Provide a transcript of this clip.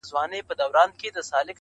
کلي به سوځو جوماتونه سوځو٫